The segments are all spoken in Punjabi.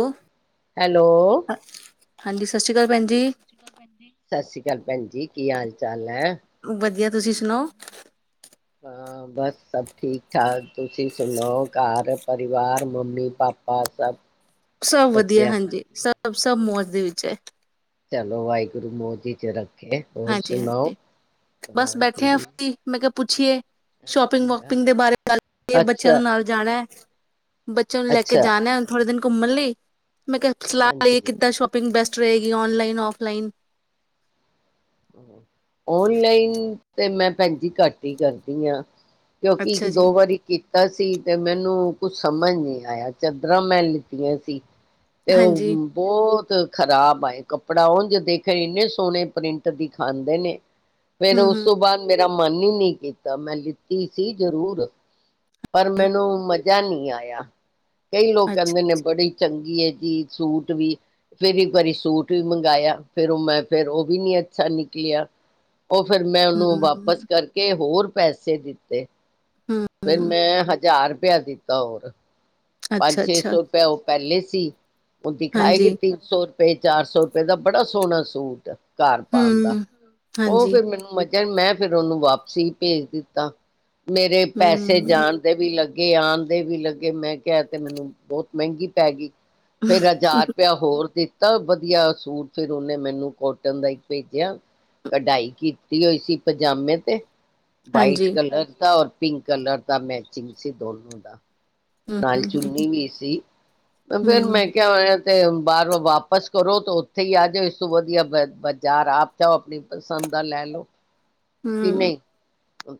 ਇਹ। ਹੈਲੋ, ਹਾਂਜੀ ਸਤਿ ਸ੍ਰੀ ਅਕਾਲ ਭੈਣ ਜੀ। ਸਤਿ ਸ਼੍ਰੀ ਅਕਾਲ ਭੈਣ ਜੀ ਕੀ ਹਾਲ ਚਾਲ ਹੈ। ਵਧੀਆ। ਤੁਸੀਂ ਸੁਣਾਓ। ਹਾਂ ਬਸ ਸਭ ਠੀਕ ਠਾਕ ਤੁਸੀਂ ਸੁਣੋ ਘਰ ਪਰਿਵਾਰ ਮੰਮੀ ਪਾਪਾ ਸਭ। ਸਭ ਵਧੀਆ ਬੱਚਿਆਂ ਦਾ ਹਾਂਜੀ ਸਭ। ਸਭ ਮੌਜ ਦੇ ਵਿੱਚ ਹੈ। ਚਲੋ ਵਾਹਿਗੁਰੂ ਮੌਜ ਜੀ ਚ ਰੱਖਣ। ਹਾਂਜੀ ਹਾਂਜੀ ਬਸ ਬੈਠੇ ਹਾਂ ਹਾਂਜੀ ਫ੍ਰੀ ਮੈਂ ਕਿਹਾ। ਪੁੱਛਏ। ਸ਼ੋਪਿੰਗ ਵੋਪਿੰਗ ਹਾਂ, ਦੇ ਬਾਰੇ ਗੱਲ ਕਰਏ ਬੱਚਿਆਂ ਦੇ ਅੱਛਾ ਨਾਲ ਜਾਣਾ ਹੈ। ਬੱਚਿਆਂ ਨੂੰ ਲੈ ਕੇ ਅੱਛਾ ਜਾਣਾੁਣ ਥੋੜ੍ਹੇ ਦਿਨ ਘੁੰਮਣ ਲਈ ਮੈਂ ਕਿਹਾ ਸਲਾਹ ਇਹ ਹਾਂਜੀ। ਕਿੱਦਾਂ ਸ਼ੋਪਿੰਗ ਬੈਸ ਰਹੇਗੀ ਔਨਲਾਈਨ ਆਫਲਾਈਨ ਔਨਲਾਈਨ [inaudible] ਤੇ ਮੈਂ ਭੈਜੀ ਘੱਟ ਹੀ ਕਰਦੀ ਹਾਂ ਕਿਉਂਕਿ ਇੱਕ ਅੱਛਾ ਜੀ ਦੋ ਵਾਰੀ ਕੀਤੀ ਕੀਤਾ ਸੀ ਤੇ ਮੈਨੂੰ ਕੁਛ ਸਮਝ ਨਹੀਂ ਆਇਆ ਚਾਦਰਾਂ ਮੈਂ ਲਿੱਤੀਆਂ ਸੀ ਇਹ ਹਾਂਜੀ ਬਹੁਤ ਖ਼ਰਾਬ ਆਏ ਕੱਪੜਾ ਉਹਝ ਦੇਖਣ ਇੰਨੇ ਸੋਹਣੇ ਪ੍ਰਿੰਟ ਦੀ ਖਾਂਦੇ ਨੇ ਫਿਰ ਹੂੰ ਉਸ ਹੂੰ ਤੌ ਬਾਅਦ ਮੇਰੇ ਮੇਰਾ ਮਨ ਹੀ ਨਹੀਂੀ ਕੀਤਾ ਮੈਂ ਲਿੱਤੀ ਸੀ ਜਰੂਰ ਪਰ ਮੈਨੂੰ ਮ ਮਜਾਂ ਨਹੀਂ ਆਇਆ ਕਈ ਲੋਕ ਅੱਛਾ ਕਹਿੰਦੇ ਨੇ ਬੜੀ ਚੰਗੀ ਹੈ ਜ ਸੂਟ ਵੀ ਫੇਿਰ ਇੱਕ ਵਾਰੀ ਸੂਟ ਵੀ ਮੰਗਵਾਆ ਫੇਿਰ ਉਹ ਮੈਂ ਫੇਿਰ ਉਹ ਵੀ ਨੀ ਅੱਛਾ ਨਿਕਲਿਆ ਉਹ ਫਿਰ ਮੈਂ ਉਹਨੂੰ ਹੂੰ ਵਾਪਸ ਕਰਕੇ ਹੋਰ ਪੈਸੇ ਦਿੱਤੇ ਹੂੰ ਫ ਹੂੰ ਮੈਂ ਹਜ਼ਾਰ ਪਿਆ ਦਿੱਤਾ ਹੋਰ ਪੰਜ ਅੱਛਾ ਛੇ ਅੱਛਾ ਸੌ ਰੁਪਇਆਪ ਪਹਿਲੇ ਸੀ ਉਹ ਦਿਖਾਏਗੀ ਹਾਂਜੀ ਤਿੰਨ ਸੌ ਰੁਪਏ ਏ ਚਾਰ ਸੌ ਰੁਪਏ ਦਾ ਬੜਾ ਸੋਹਣਾ ਸੂਟ ਕਾਰ ਪਾਉਣ ਦਾ ਹੂੰ ਉਹ ਹਾਂਜੀ ਫੇਿਰ ਮੈਨੂੰ ਮਜ਼ਾ ਮੈਂ ਫੇਿਰ ਉਹਨੂੰ ਵਾਪਸੀ ਭੇਜ ਦਿੱਤਾ ਮੇਰੇ ਪੈਸੇ ਹੂੰ ਜਾਣ ਦੇ ਵੀ ਲੱਗੇ ਅੱਗੇ ਆਉਣ ਦੇ ਵੀ ਲੱਗੇ ਮੈਂ ਕਿਹਾ ਤੇ ਮੈਨੂੰ ਬਹੁਤ ਮਹਿੰਗੀ ਪੈ ਗਈ ਫੇਰ ਹਜ਼ਾਰ ਰੁਪਇਆ ਹੋਰ ਦਿੱਤਾ ਵਧੀਆ ਸੂਟ ਫਿਰ ਉਹਨੇ ਮੈਨੂੰ ਕੋਟਨ ਦਾ ਹੀ ਭੇਜਿਆ ਕਢਾਈ ਕੀਤੀ ਹੋਈ ਸੀ ਪਜਾਮੇ ਤੇ ਵਾਈਟ ਹਾਂਜੀ ਕਲਰ ਤਾਂ ਔਰ ਪਿੰਕ ਕਲਰ ਦਾ ਮੈਚਿੰਗ ਸੀ ਦੋਨੋ ਦਾ ਹੂੰ ਨਾਲ ਹੂੰ ਹੂੰ ਚੁੰਨੀ ਵੀ ਸੀ ਫੇਿਰ ਹੂੰ ਮੈਂ ਕਿਹਾ ਹੋਇਆ ਤੇ ਬਾਹਰ ਵਾਪਿਸ ਕਰੋ ਤੇ ਉੱਥੇ ਹੀ ਆ ਜਾਓ ਇਸ ਤੋਂ ਵਧੀਆ ਬ ਬਾਜ਼ਾਰ ਆਪ ਚਓ ਆਪਣੀ ਪਸੰਦ ਆ ਲੈ ਲਓ [inaudible] ਹੂੰ,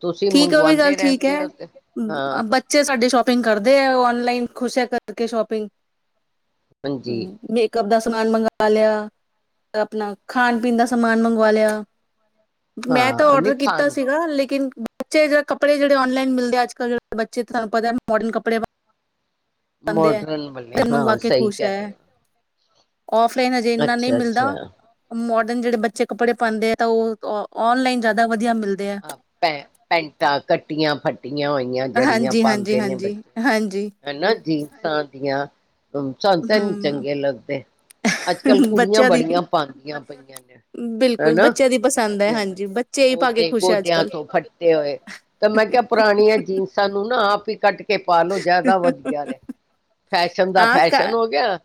ਤੁਸੀਂ ਠੀਕ ਹੈ ਉਹ ਵੀ ਗੱਲ ਮੰਗਵਾਉਂਦੇ ਠੀਕ ਰਹਿੰਦੇ ਹੈ ਹੋ ਤੇ ਹਾਂ ਬੱਚੇ ਸਾਡੇ ਸ਼ੋਪਿੰਗ ਕਰਦੇ ਔਨਲਾਈਨ ਖੁਸ਼ ਹੈ ਕਰਕੇ ਸ਼ੋਪਿੰਗ ਹਾਂਜੀ ਮੇਕਪ ਦਾ‌‌ ਸ ਸਮਾਨ ਮੰਗਵਾ ਲਿਆ, ਆਪਨਾ ਖਾਨ ਪੀਨ ਦਾ ਸਮਾਨ ਮੰਗਵਾ ਲੇਆ। ਮੈਂ ਤਾ ਹਾਂ ਨੀ ਔਡਰ ਕੀਤਾ ਖਾਣ ਸੀਗਾ ਲੇਕਿਨ ਬੱਚੇ ਜਿਹੜ ਕੱਪੜੇ ਜਿਹੜੇ ਔਨਲਾਈਨ ਮਿਲਦੇ ਅੱਜ-ਕੱਲ ਬੱਚੇ ਤਾਨੂ ਪਤਾ ਮੋਡਰਨ ਕੱਪੜੇ ਪਾਂਦੇ ਐ ਮੰਗਵਾ ਮੋਡਰਨ [inaudible] ਸਹੀ ਕਹਿ ਆਫਲਾਈਨ ਹਜੇ ਏਨਾ ਨਈ ਅੱਛਾ ਮਿਲਦਾ। ਅੱਛਾ ਮੋ ਜਿਹੜੇ ਬੱਚੇ ਕੱਪੜੇ ਪਾਦੇਂ ਤਾਂ ਓ ਓ ਔਨਲਾਈਨ ਜ਼ਿਆਦਾ ਵਧ ਵਧੀਆ ਮਿਲਦੇ ਐ ਹਾਂ ਪੈ ਪੈਂਟਾਂ ਕੱਟੀਆਂ ਫ ਫਟੀਆਂ ਹੋਈਆਂ ਜੇੜੀਆਂ ਹਾਂਜੀ-ਹਾਂਜੀ, ਪਾਦੇਂ ਨੇ ਹਾਂਜੀ, ਬੱਚੇ ਹਾਂਜੀ ਹਨਾ ਜੀਸਾਂ ਦੀਆਂ ਸਾਨੂੰ ਤੇ ਨੀ ਚੰਗੇ ਹੂੰ ਲੱਗਦੇ ਅੱਜ-ਕੱਲ ਕੁੜੀਆਂ ਬੱਚਿਆਂ ਦੀ ਬੜੀਆਂ ਪਾਦੀਆਂ ਪਈਆਂ ਨੇ ਬਿਲਕੁਲ ਹਨਾ। ਬੱਚਿਆਂ ਦੀ ਪਸੰਦ ਹੈ ਹਾਂਜੀ ਬੱਚੇ ਹੀ ਪਾ ਕੇ ਗੋਡੇ ਖੁਸ਼ ਹੈ ਅੱਜ ਗੋਡਿਆਂ ਕੱਲ ਤੋਂ ਫੱਟੇ ਹੋਏ ਤਾਂ ਮੈਂ ਕਿਹਾ ਪੁਰਾਨੀਆਂ ਜੀਨਸਾਂ ਨੂੰ ਨਾ ਆਪ ਈ ਕਟ ਕੇ ਪਾਲਾਂ ਜ਼ਿਆਦਾ ਵਧੀਆ ਨੇ। ਫੈਸ਼ਨ ਦਾ ਹਾਂ ਕ ਫੈਸ਼ਨ ਹੋ ਗੇਆ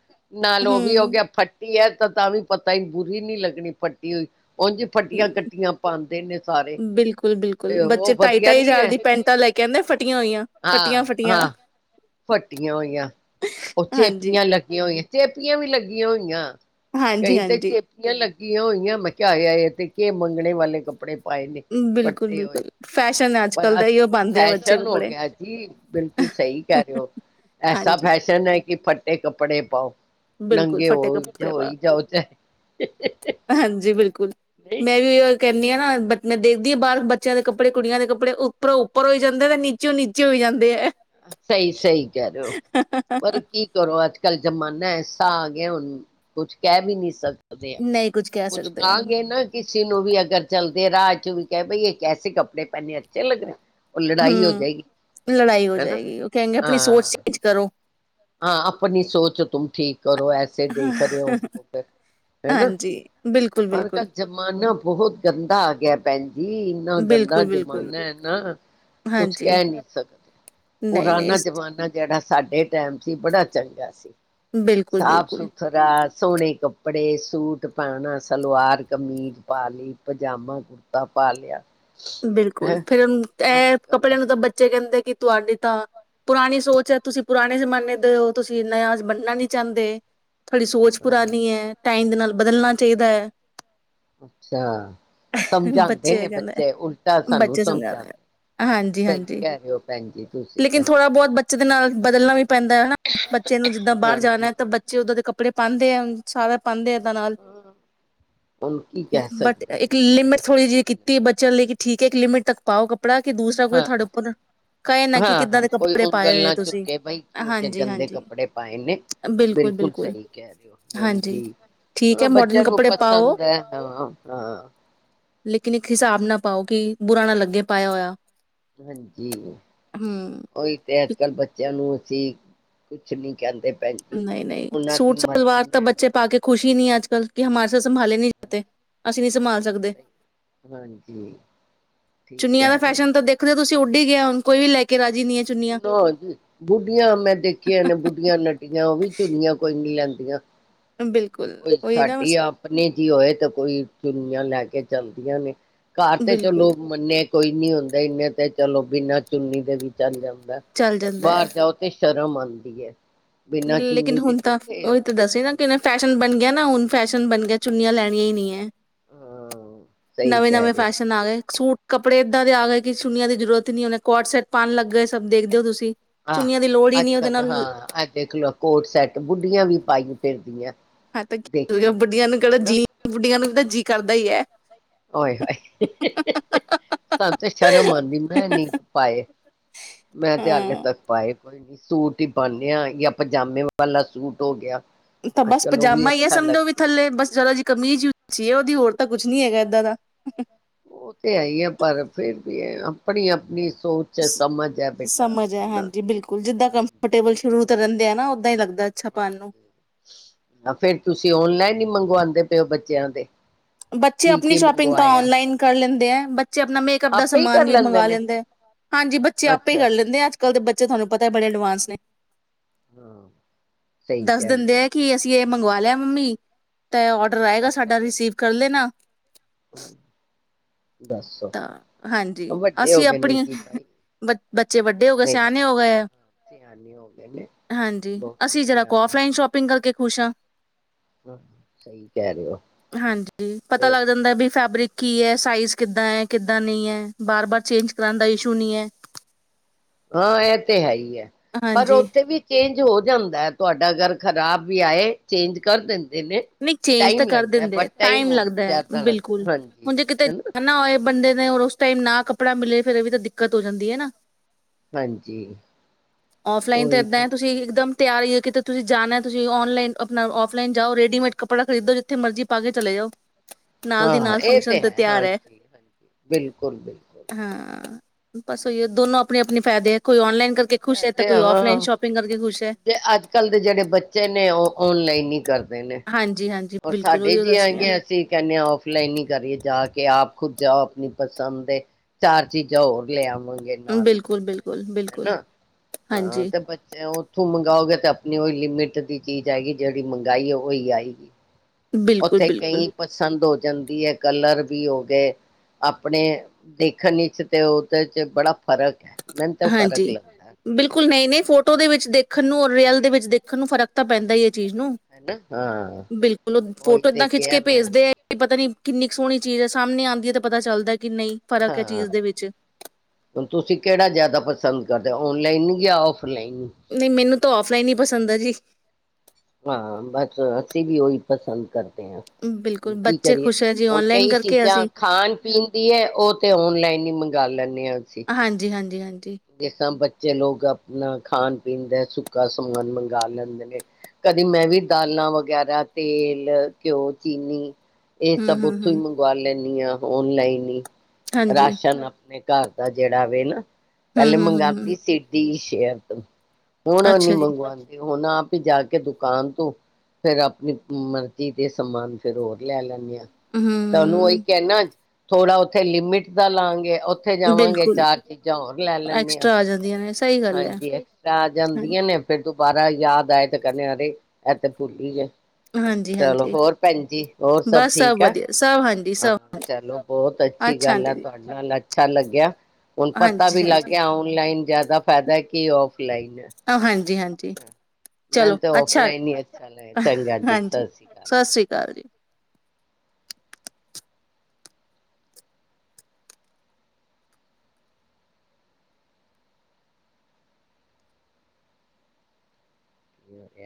ਨਾਲ ਓ ਵੀ ਹੋ ਹਮ ਗੇਆ ਫੱਟੀ ਐ ਤਾਂ ਵੀ ਪਤਾ ਬੁਰੀ ਨੀ ਲੱਗਨੀ ਫੱਟੀ ਹੋਈ। ਉੰਝ ਫੱਟੀਆਂ ਕੱਟੀਆਂ ਪਾਉਂਦੇ ਨੇ ਸਾਰੇ ਬਿਲਕੁਲ, ਤੇ ਬਿਲਕੁਲ ਬੱਚੇ ਉਹ ਢਾਈ, ਵਧੀਆ ਢਾਈ ਨੀ ਜ਼ਾਰ ਹੈ ਦੀ ਪੈਂਟਾਂ ਲੈ ਕੇ ਆਦੇਂ ਫਟੀਆਂ ਹੋਈਆਂ, ਕਟੀਆਂ ਹਾਂ ਫਟੀਆਂ ਹਾਂ। ਫੱਟੀਆਂ ਹੋਈਆਂ ਓ ਹਾਂਜੀ ਚੇਪੀਆਂ ਲੱਗੀਆਂ ਹੋਈਆਂ, ਚੇਪੀਆਂ ਵੀ ਲੱਗੀਆਂ ਹੋਈਆਂ। ਹਾਂਜੀ ਕਈ ਤੇ ਹਾਂਜੀ ਚੇਪੀਆਂ ਲੱਗੀਆਂ ਹੋਈਆਂ [inaudible] ਏ ਤੇ ਕੇ ਮੰਗਨੇ ਵਾਲੇ ਕੱਪੜੇ ਪਾਏ ਨੇ ਬਿਲਕੁਲ ਫੱਟੇ ਹੋਏ, ਬਿਲਕੁਲ ਫੈਸ਼ਨ ਹੈ ਕੱਲ ਪਰ ਦਾ ਅੱਜ ਇਓ ਪਾਂਦੇ ਆ ਬੱਚੇ ਫੈਸ਼ਨ ਹੋ ਕੱਪੜੇ ਗੇਆ ਜੀ ਬਿਲਕੁਲ ਸਹੀ ਕੈ ਰੇ ਓ ਐਸਾ ਹਾਂਜੀ ਫੈਸ਼ਨ ਹੈ ਕਿ ਫੱਟੇ ਕੱਪੜੇ ਪਾਓ ਬਿਲਕੁਲ ਨੰਗੇ ਹੋ ਫਟੇ ਕੱਪੜੇ‌ [inaudible] ਹੋਈ ਜਾਓ ਚਾਹੇ ਹਾਂਜੀ ਬਿਲਕੁਲ ਨਹੀਂ ਮੈਂ ਵੀ [inaudible] ਕੈਨੀ ਆਂ ਨਾ ਬ ਮੈਂ ਦੇਖਦੀ ਆ ਬਾਹਰ ਬੱਚਿਆਂ ਦੇ ਕੱਪੜੇ ਕੁੜੀਆਂ ਦੇ ਕੱਪੜੇ ਉੱਪਰੋਂ ਉੱਪਰ ਹੋਈ ਜਾਂਦੇ, ਤੇ ਨੀਚੇ ਨੀਚੇ ਹੋਈ ਜਾਂਦੇ ਐ। ਸਹੀ, ਸਹੀ ਕਹਿ ਰੋਓ, ਪਰ ਕੀ ਕਰੋ ਅੱਜ-ਕੱਲ ਜ਼ਮਾਨਾ ਐਸ ਤਾਂ ਆ ਗੇਆ ਹੁਨ ਕੁਛ ਕਹਿ ਵੀ ਨਹੀ ਸ ਦੇ ਨਹੀਂ ਕੁਝ ਕਹਿ ਕੁਛ ਸਕਦੇ ਆ ਕਾਗੇਂ ਨਾ ਕਿਸੇ ਨੂੰ ਵੀ ਅਗਰ ਚਲਦੇ ਰਹਾ ਚ ਵੀ ਕਹਿ ਭ ਇਹ ਕੈੇ ਕੱਪੜੇ ਪਹਿਨੇ ਅੱਛੇ ਲਗ ਰਹੇ। ਓ ਲੜਾਈ ਹੋ ਹਮ ਜਾਏਗੀ। ਲੜਾਈ ਹੋ ਜਾਏਗੀ। ਉਹ ਕਹ ਆਪਣੀ ਸੋਚ ਚੇਂਜ ਕਰੋ ਹਾਂ, ਆਪਣੀ ਸੋਚ ਔ, ਤੂੰਮ ਠੀਕ। ਕਰੋ ਐਸੇ ਦੇਖ ਰਹੇ ਹੋ। ਫਿਰ ਹਨਾਂ ਨਾ ਹਾਂਜੀ ਬਿਲਕੁਲ ਪਰ ਬਿਲਕੁਲ ਜ਼ਮਾਨਾ ਬਹੁਤ ਗੰਦਾ ਆ ਗਿਆ ਭੈਨ ਜੀ ਇੰਨਾ ਗੰਦਾ ਬਿਲਕੁਲ ਬਿਲਕੁਲ ਜ਼ਮਾਨਾ ਹੈ ਨਾ ਕੁਛ ਹਾਂਜੀ ਕਹਿ ਨੀ ਸਕਦੇ। ਨਹੀਂ ਪੁਰਾਨਾ ਨਹੀਂ ਸ- ਜ਼ਮਾਨਾ ਜਿਹੜਾ ਸਾਡੇ ਸੀ। ਬੜਾ ਚੰਗਾ ਸੀ। ਬਿਲਕੁਲ ਸਾਫ਼ ਬਿਲਕੁਲ ਸੁਥਰਾ ਸੋਹਣੇ ਕੱਪੜੇ। ਸੂਟ ਪਾਣਾ, ਸਲਵਾਰ ਕਮੀਜ਼ ਪਾ ਲਈ, ਪਜਾਮਾ ਕੁੜਤਾ ਪਾ ਲਿਆ। ਬਿਲਕੁਲ, ਹੈਂ ਫੇਰ ਅੱਜ ਇਹ ਕੱਲ ਕੱਪੜਿਆਂ ਨੂੰ ਤਾਂ ਬੱਚੇ ਕਹਿੰਦੇ ਕਿ ਤੁਹਾਡੀ ਤਾਂ ਪੁਰਾਣੀ ਸੋਚ ਹੈ। ਤੁਸੀਂ ਪੁਰਾਣੇ ਜਮਾਨੇ ਦੇ ਹੋ। ਤੁਸੀਂ ਨਯ ਬਣਨਾ ਨਹੀਂ ਚਾਹੁੰਦੇ। ਤੁਹਾਡੀ ਸੋਚ ਹਾਂ ਪੁਰਾਣੀ ਹੈ। ਟਾਈਮ ਦੇ ਨਾਲ ਬਦਲਣਾ ਚਾਹੀਦਾ ਹੈ। ਅੱਛਾ, ਸਮਝਾਦੇ ਨੇ ਬੱਚੇ। ਉਲਟਾ ਸਾਨੂੰ ਬੱਚੇ ਸਮਝਾਉਦੇ ਸਮਝਾਉਂਦੇ ਆ। ਹਾਂਜੀ, ਸਹੀ ਹਾਂਜੀ। ਕਹਿ ਰਹੇ ਹੋ ਭੈਣ ਜੀ ਤੁਸੀਂ ਲੇਕਿਨ ਤਾਂ ਥੋੜਾ ਬਹੁਤ ਬੱਚੇ ਦੇ ਨਾਲ ਬਦਲਣਾ ਵੀ ਪੈਂਦਾ ਹਨਾ। ਬੱਚੇ ਨੂੰ ਜਿੱਦਾਂ ਬਾਹਰ ਹਾਂਜੀ ਜਾਣਾ ਤਾਂ ਬੱਚੇ ਦਾਂ ਦੇ ਕੱ ਕੱਪੜੇ ਪਾਉਂਦੇ ਆ ਸਾਰਾ ਪਾਦੇ ਏਦਾਂ ਨਾਲ। ਹੁਣ ਕੀ ਕਹਿ ਬਟ ਸਕਦੇ ਹਾਂ ਇੱਕ ਜੀ ਲਿਮਿਟ ਬੱਚੇ ਥੋੜੀ ਜਿਹੀ ਕੀਤੀ ਬ ਲੇ ਠੀਕ ਹੈ ਇੱਕ ਲਿਮਟ ਤੱਕ ਪਾਓ ਕ ਹਾਂ, ਨਾ ਕਿ ਹਾਂ, ਕਿੱਦਾਂ ਹਾਂ। ਦੇ ਕੋਈ ਕੱਪੜੇ ਪਾਏ ਉਂਗਲ ਹੋਏ ਆ ਨਾ ਤੁਸੀਂ ਚੁੱਕੇ ਬਾਈ ਕਿ ਉਹ ਜ ਹਾਂਜੀ ਗੰਦੇ ਹਾਂਜੀ ਕੱਪੜੇ ਪਾਏ ਨੇ। ਬਿਲਕੁਲ ਸਹੀ ਕਹਿ ਰਹੇ ਹੋ ਹਾਂਜੀ ਠੀਕ ਹੈ ਮਾਡਰਨ ਬੱਚਿਆਂ ਨੂੰ ਕੱਪੜੇ ਪਾਓ ਪਸੰਦ ਹੈ। ਹਾਂ, ਹਾਂ। ਲੇਕਿਨ ਇੱਕ ਹਿਸਾਬ ਨਾ ਪਾਓ ਕਿ ਬੁਰਾ ਨਾ ਲੱਗੇ ਪਾਇਆ ਹੋਇਆ। ਹਾਂਜੀ, ਹਮ ਉਹੀ ਤੇ ਅੱਜ ਕੱਲ੍ਹ ਬੱਚਿਆਂ ਨੂੰ ਅ ਕੁਛ ਨੀ ਕਹਿੰਦੇ। ਭੈਣ ਜੀ ਨਹੀਂ, ਨਹੀਂ ਉਹਨਾਂ ਦੀ ਸੂਟ ਸਲਵਾਰ ਮਰਜ਼ੀ ਤਾਂ ਹੈ ਬੱਚੇ ਪਾ ਕੇ ਖੁਸ਼ੀ ਨਹੀਂ ਅੱਜ [unintelligible] ਅਸੀਂ ਨਹੀਂ ਸੰਭਾਲ ਦੇ ਹਾਂਜੀ ਠੀਕ ਚੁੰਨੀਆਂ ਦਾ ਕਹਿ ਰਹੇ ਫੈਸ਼ਨ ਤਾਂ ਦੇਖਦੇ ਹੋ ਤੁਸੀਂ ਉੱਢ ਗਿਆ ਹੁਣ ਕੋਈ ਵੀ ਲੈ ਕੇ ਰਾਜੀ ਨਹੀਂ ਹੈ ਚੁੰਨੀਆਂ ਤਾਂ ਹੋਰ ਕੀ। ਬੁੱਢੀਆਂ ਮੈਂ ਦੇਖੀਆਂ ਨੇ ਬੁੱਢੀਆਂ ਉਹ ਵੀ ਚੁਨੀਆਂ ਕੋਈ ਨੀ ਲੈਂਦੀਆਂ। ਬਿਲਕੁਲ ਕੋਈ ਉਹੀ ਨਾ ਸਾਡੀ ਬਸ ਆਪਣੇ ਜੀ ਹੋਏ ਤੇ ਕੋਈ ਚੁਨੀਆਂ ਲੈ ਕੇ ਕੇ ਜੰਮਦੀਆਂ ਨੇ ਘਰ ਤੇ ਬਿਲਕੁਲ ਚਲੋ ਮੰਨੇ ਕੋਈ ਨੀ ਹੁੰਦਾ ਇਹਨੇ ਤੇ ਚਲੋ ਬਿਨਾਂ ਚੁੰਨੀ ਦੇ ਵੀ ਚਲ ਜਾਂਦਾ ਚੱਲ ਜਾਂਦਾ ਹੈ ਬਾਹਰ ਜਾਓ ਤੇ ਸ਼ਰਮ ਆਉਂਦੀ ਏ। ਲੇਕਿਨ ਹੁਣ ਤਾਂ ਉਹੀ ਤਾਂ ਦੱਸਦੀ ਹਾ ਨਾ ਕਿ ਫੈਸ਼ਨ ਬਣ ਗਿਆ ਨਾ ਹੁਣ ਫੈਸ਼ਨ ਬਣ ਗਿਆ ਚੁੰਨੀਆਂ ਲੈਣੀਆਂ ਹੀ ਨਹੀਂ ਹੈ। ਹਾਂ ਸਹੀ ਨਵੇਂ ਕਹਿ ਨਵੇਂ ਰਹੇ ਹੋ ਫੈਸ਼ਨ ਆ ਗਏ, ਸੂਟ ਕੱਪੜੇ ਇਦਾਂ ਦੇ ਆ ਗਏ ਕਿ ਚੁਣੀਆਂ ਦੀ ਜ਼ਰੂਰਤ ਨਹੀ, ਕੋਡ ਸੈਟ ਪਾਉਣ ਲੱਗ ਗਏ ਸਭ ਦੇਖਦੇ ਹੋ ਤੁਸੀ ਆਹ ਅੱਜ ਕੱਲ੍ਹ ਹਾਂ, ਆ ਦੇਖ ਲੋ ਕੋਡ ਸੈਟ ਬੁੱਡੀਆਂ ਵੀ ਪਾਈ ਫਿਰਦੀਆਂ ਹਾਂ ਤੇ ਕੀ ਦੇਖੀਆਂ ਬੁੱਡੀਆਂ ਨੂੰ ਮੈਂ ਕਿਹੜਾ ਹਨਾ ਜੀ ਬੁੱਡੀਆਂ ਨੂੰ ਵੀ ਜੀ ਕਰਦਾ ਹੀ ਹੈ। ਓਏ ਹੋਏ ਸਾਨੂੰ ਤੇ ਸ਼ਰਮ ਆਉਂਦੀ ਮੈਂ ਨੀ ਪਾਏ ਮੈਂ ਤੇ ਹਲੇ ਹਾਂ ਤੱਕ ਪਾਏ ਕੋਈ ਨੀ ਸੂਟ ਹੀ ਪਾਨੇ ਹਾਂ ਜਾਂ ਪਜਾਮੇ ਵਾਲਾ ਸੂਟ ਹੋ ਗਿਆ। ਇਕ ਤਾਂ ਅੱਜ ਬਸ ਕੱਲ ਉਹ ਵੀ ਪਜਾਮਾ ਇਹ ਅੱਛਾ ਸਮਝੋ ੳ ਲੱਗਦਾ ਵੀ ਥੱਲੇ ਬਸ ਜਰਾ ਜੀ ਕਮੀਜ ਹੀ ਉਚੀ ਏ ੳਦੀ ਹੋਰ ਤਾਂ ਕੁੱਛ ਨੀ ਹੈਗਾ ਏਦਾਂ ਦਾ ਉਹ ਤੇ ਹੈ ਹੀ ਹੈ, ਪਰ ਫੇਿਰ ਵੀ ਅਪਣੀ ਅਪਣੀ ਸ ਸਮਝ ਹੈ ਹਾਂਜੀ, ਬਿਲਕੁਲ। ਜਿੱਦਾਂ ਹਾਂਜੀ ਕੰਫਰਟੇਬਲ ਸ਼ੁਰੂ ਤੋ ਹੋਰ ਰਹਿੰਦੇ ਹੈ ਨਾ ਓਦਾਂ ਹੀ ਹਾਂ, ਲੱਗਦਾ ਅੱਛਾ ਪਾਉਣ ਨੂੰ ਹਾਂਜੀ ਪਿਓ ਬੱਚਿਆਂ ਦੇ ਬੱਚੇ ਕੀ ਅਪਣੀ ਕੀ ਸ਼ੋਪਿੰਗ ਤਾਂ ਮੰਗਵਾਇਆ ਔਨਲਾਈਨ ਕਰ ਲੈਂਦੇ ਐ। ਬ ਬੱਚੇ ਆਪਣਾ ਮੇਕਅਪ ਦਾ ਆਪੇ ਹੀ ਸਮਾਨ ਕਰ ਵੀ ਮੰਗਾ ਨੇ ਲੈਂਦੇ ਆ। ਹਾਂਜੀ, ਬੱਚੇ ਆਪੇ ਹੀ ਅੱਛਾ ਕਰ ਲੈਂਦੇ ਆ। ਅੱਜ ਕੱਲ੍ਹ ਦੇ ਬ ਬੱਚੇ ਤੁਹਾਨੂੰ ਪਤਾ ਬੜੇ ਏਡਵਾਂਸ ਨੇ। ਹਾਂ ਸਹੀ ਦੱਸ ਕਹਿੰਦੇ ਦਿੰਦੇ ਹੋ ਆ ਕਿ ਅਸੀਂ ਇਹ ਮੰਗਵਾ ਲਿਆ ਮੰਮੀ ਤਾਂ ਔਡਰ ਆਏਗਾ ਪੈਸੇ ਸਾਡਾ ਰਿਸੀਵ ਕਰਲੇ ਨਾ ਪੇਮੈਂਟ ਦੱਸੋ ਤਾਂ, ਹਾਂਜੀ ਵੱਡੇ ਹੋ ਅਸੀਂ ਗਏ ਨੇ ਅਪਣੀ ਜੀ ਬਾਈ ਬੱਚੇ ਵੱਡੇ ਹੋ ਗਏ ਨਹੀਂ ਸਿਆਣੇ ਹੋ ਗਏ ਆ, ਸਿਆਣੇ ਹੋ ਗਏ ਨੇ ਹਾਂਜੀ ਬਹੁਤੇ ਅਸੀਂ ਜਰਾ ਸਿਆਣੇ ਔਫ ਹੋ ਲਾਈਨ ਗਏ ਸ਼ੋਪਿੰਗ ਕਰਕੇ ਖੁਸ਼ ਹਾਂ। ਹਾਂ ਸਹੀ ਕਹਿ ਰਹੇ ਹੋ ਹਾਂਜੀ ਪਤਾ ਫੇਰ ਲੱਗ ਜਾਂਦਾ ਏ, ਬੀ ਫੈਬਰਿਕ ਕੀ ਹੈ, ਸਾਈਜ਼ ਹੈ ਕਿੱਦਾਂ ਨਹੀਂ ਹੈ ਬਾਰ ਬਾਰ ਚੇਂਜ ਕਰਾ ਦਾ ਇਸ਼ੂ ਨਹੀਂ ਹੈ। ਹਾਂ ਇਹ ਤੇ ਹੈ ਹੀ ਹੈ, ਪਰ ਹਾਂਜੀ। ਉੱਥੇ ਵੀ ਚੇਂਜ ਹੋ ਜਾਂਦਾ ਹੈ, ਤੁਹਾਡਾ ਅਗਰ ਖ਼ਰਾਬ ਵੀ ਆਏ ਚੇਂਜ ਕਰ ਦੇਨੇ। ਨਹੀਂ ਚੇਂਜ ਤਾਂ ਕਰ ਦਿੰਦੇ ਟਾਈਮ ਲੱਗਦਾ ਹੈ ਜ਼ਿਆਦਾ ਬਿਲਕੁਲ ਲੱਗਦਾ ਹਾਂਜੀ ਹੁਣ ਜੇ ਕਿਤੇ ਹਨਾ ਜਾਣਾ ਹੋਏ ਬੰਦੇ ਉਸ ਟਾਈਮ ਨਾ ਕੱਪੜਾ ਮਿਲੇ ਫੇਰ ਇਹ ਵੀ ਤਾਂ ਦਿੱਕਤ ਹੋ ਜਾਂਦੀ ਹੈ ਨਾ ਹਾਂਜੀ [unintelligible] ਔਫਲਾਈਨ ਤਾਂ ਉਹੀ ਏਦਾਂ ਨਾ ਹੈ ਤੁਸੀਂ ਇਕਦਮ ਤਿਆਰੀ ਹੈ ਕਿਤੇ ਤੁਸੀਂ ਜਾਣਾ ਤੁਸੀਂ ਔਨਲਾਈਨ ਆਪਣਾ ਔਫਲਾਈਨ ਜਾਓ ਰੇ ਰੇਡੀਮੇਡ ਕੱਪੜਾ ਖਰੀਦੋ ਜਿੱਥੇ ਮਰਜ਼ ਪਾ ਕੇ ਚਲੇ ਜਾਓ। ਨਾਲ ਦੀ ਹਾਂ ਨਾਲ ਇਹ ਫੰਕਸ਼ਨ ਤੇ ਹੈ ਤਿਆਰ ਹਾਂਜੀ ਹਾਂਜੀ ਬਿਲਕੁਲ ਬਿਲਕੁਲ ਹਾਂ ਬਸ ਉਹੀਏ ਦੋਨੋ ਆਪਣੇ ਆਪਣੇ ਫਾਇਦੇ ਕੋਈ ਔਨਲਾਈਨ ਕਰਕੇ ਖੁਸ਼ ਐ ਹੈ ਤਾਂ ਤੇ ਕੋਈ ਆਂ ਔਫਲਾਈਨ ਸ਼ੋਪਿੰਗ ਕਰਕੇ ਖੁਸ਼ ਹੈ ਅੱਜ ਕੱਲ ਦੇ ਜਿਹੜੇ ਬੱਚੇ ਨੇ ਉਹ ਓਨਲਾਈਨ ਹੀ ਹਾਂਜੀ ਹਾਂਜੀ [unintelligible] ਹੋਰ ਬਿਲਕੁਲ ਸਾਡੇ ਉਹੀਓ ਜੀ ਦੱਸ ਰਹੀ ਆਂਗੇ ਅਸੀਂ ਕਹਿੰਦੇ ਹਾਂ ਔਫਲਾਈਨ ਹੀ ਕਰੀਏ ਜਾ ਕੇ ਕਿ ਆਪ ਖੁਦ ਜਾਓ ਆਪਣੀ ਪਸੰਦ ਦੇ ਚਾਰ ਚੀਜ਼ਾਂ ਹੋਰ ਲਿਆਵ ਮੰਗੇ ਹਾਂ ਨਾਲ ਬਿਲਕੁਲ ਬਿਲਕੁਲ ਬਿਲਕੁਲ ਹਨਾ ਹਾਂ ਹਾਂਜੀ ਤੇ ਬੱਚੇ ਉੱਥੋਂ ਮੰਗਓਗੇ ਤੇ ਨਹੀ ਉਹੀ ਲਿਮਿਟ ਦੀ ਚੀਜ਼ ਆਏਗੀ ਜਿਹੜੀ ਮੰਗਾਈ ਉਹੀ ਆਏਗੀ। ਬਿਲਕੁਲ ਉੱਥੇ ਬਿਲਕੁਲ ਕਈ ਪਸੰਦ ਹੋ ਜਾਂਦੀ ਹੈ ਕਲਰ ਵੀ ਹੋ ਗਏ ਆਪਣੇ ਦੇਖਣ ਵਿਚ ਤੇ ਉਹਦੇ ਚ ਬੜਾ ਫ਼ਰਕ ਹੈ। ਮੈਨੂੰ ਤਾਂ ਫ਼ਰਕ ਹਾਂਜੀ ਲੱਗਦਾ ਬਿਲਕੁਲ ਨਹੀਂ ਨਹੀਂ ਫੋਟੋ ਦੇ ਵਿੱਚ ਦੇਖਣ ਨੂੰ ਰੇਅਲ ਦੇ ਵਿੱਚ ਦੇਖਣ ਨੂੰ ਫਰਕ ਤਾਂ ਪੈਂਦਾ ਏ। ਚੀਜ਼ ਨੂੰ ਹਨਾ ਹਾਂ ਬਿਲਕੁਲ ਉਹ ਉਹੀ ਫੋਟੋ ਤੇ ਏਦਾਂ ਖਿੱਚ ਕਿਹਾ ਕੇ ਮੈਂ ਭੇਜਦੇ ਆ ਪਤਾ ਨੀ ਕਿੰਨੀ ਕੁ ਸੋਹਣੀ ਚੀਜ਼ ਹੈ ਸਾਹਮਣੇ ਆਉਂਦੀ ਹੈ ਤਾਂ ਪਤਾ ਚੱਲਦਾ। ਕਿ ਨਹੀਂ ਫ਼ਰਕ ਹੈ ਹਾਂ ਚੀਜ਼ ਦੇ ਵਿੱਚ ਹੁਣ ਤੁਸੀਂ ਕਿਹੜਾ ਜਿਆਦਾ ਪ ਪਸੰਦ ਕਰਦੇ ਔਨਲਾਈਨ ਗਿਆ ਔਫ ਨਹੀਂ ਮੈਨੂੰ ਤਾਂ ਔਫਲਾਈਨ ਹੀ ਪਸੰਦ ਹੈ ਜੀ। ਹਾਂ ਬਸ ਅਸੀਂ ਵੀ ਉਹੀ ਪਸੰਦ ਕਰਦੇ। ਬਿਲਕੁਲ ਹਣ ਕੀ ਬੱਚੇ ਕਰੀਏ ਖੁਸ਼ ਹੈ ਜੀ ਹੁਣ ਔਨਲਾਈਨ ਕਈ ਕਰਕੇ ਚੀਜ਼ਾਂ ਅਸੀਂ ਖਾਣ ਪੀਣ ਦੀ ਹੈ ਉਹ ਤੇ ਔਨਲਾਈਨ ਹੀ ਮੰਗੀ ਕਰ ਲੈਣ ਹਾਂਜੀ ਹਾਂਜੀ ਹਾਂਜੀ ਜਿਸ ਤਰਾਂ ਬੱਚ ਜ ਲੋਕ ਆਪਣਾ ਖਾਣ ਪੀਣ ਦਾ ਸੁੱਕਾ ਸਮਾਨ ਮੰਗਵਾ ਲੈਂਦੇ ਨੇ ਕਦੀ ਮੈਂ ਵੀ ਦਾਲਾਂ ਵਗੈਰਾ ਤੇਲ ਘਿਓ ਚੀਨੀ ਇਹ ਹੂੰ, ਸਭ ਹੂੰ, ਉੱਥੋਂ ਹੀ ਹੂੰ, ਮੰਗਵਾ ਲੈਂ ਜਾਂ ਔਨਲਾਈਨ ਹੀ। ਹਾਂਜੀ। ਰਾਸ਼ਨ ਆਪਣੇ ਘਰ ਦਾ ਜਿਹੜਾ ਵ ਨਾ ਹੂੰ, ਪਹਿਲੇ ਹੂੰ, ਹੂੰ, ਹੂੰ, ਮੰਗਦੀ ਸੀਡੀ [unintelligible] ਹੋਣਾ ਨ ਅੱਛਾ ਜੀ। ਮਗਵਾ ਹੁਣ ਆਪ ਹੀ ਜਾ ਕੇ ਦੁਕਾਨ ਤੋਂ ਫੇਰ ਆਪਣੀ ਮਰਜ਼ੀ ਦੇ ਸਮਾਨ ਫੇਿਰ ਹੋਰ ਲੈ ਲੈਂਦੇ ਹਾਂ ਤਾਂ ਉਹਨੂੰ ਉਹੀ ਹੂੰ, ਕਹਣਾ ਥੋੜਾ ਉੱਥੇ ਲਿਮਿਟ ਦਾ ਲਾਂਗੇ ਉੱਥੇ ਜਾਵਾਂਗੇ ਬਿਲਕੁਲ ਚਾਰ ਚੀਜ਼ਾਂ ਹੋਰ ਲੈਂਦੇ ਹਾਂ। ਐਕਸਟਰਾ ਆ ਜਾਂਦੀਆਂ [unintelligible] ਐ। ਹਾਂਜੀ ਐਕਸਟਰਾ ਆ ਜਾਂਦੀਆਂ ਹਾਂਜੀ, ਨੇ ਫੇਿਰ ਦੁਬਾਰਾ ਯਾਦ ਆਏ [unintelligible] ਚਲੋ ਹਾਂਜੀ-ਹਾਂਜੀ, ਹੋਰ ਭੈਣਜੀ ਹੋਰ ਸਭ ਬਸ ਠੀਕ ਆ ਵਧੀਆ, ਸਭ ਹਾਂਜੀ ਸਭ ਹਾਂ ਚਲੋ ਬਹੁਤ ਅੱਛੀ ਅੱਛਾ ਗੱਲ ਆਂਟੀ ਆ ਜੀ, ਤੁਹਾਡੇ ਨਾਲ ਚੱਲ ਲੱਗਿਆ ਹੁਣ ਪਤਾ ਵੀ ਲੱਗ ਹਾਂਜੀ-ਹਾਂਜੀ, ਗਿਆ ਔਨਲਾਈਨ ਜਿਆਦਾ [unintelligible] ਕੀ ਔਫਲਾਈਨ ਹਾਂਜੀ-ਹਾਂਜੀ, ਚਲੋ ਮੈਨੂੰ ਅੱਛਾ, ਫਲਾਈਨ ਹੀ ਅੱਛਾ ਲੈ ਚੰਗਾ ਜੀ ਸਤਿ ਹਾਂਜੀ, ਸ੍ਰੀ ਅਕਾਲ ਸਤਿ ਸ੍ਰੀ ਅਕਾਲ ਜੀ। [unintelligible]